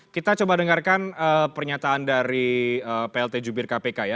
kita coba dengarkan pernyataan dari plt jubir kpk ya